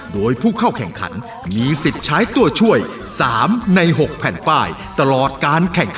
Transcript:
โดยผู้เข้าแข่งขันมีสิทธิ์ใช้ตัวช่วย๓ใน๖แผ่นป้ายตลอดการแข่งขัน